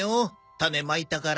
種まいたから。